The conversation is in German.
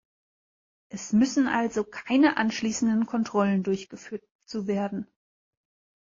Es müssen also keine anschließenden Kontrollen durchgeführt zu werden.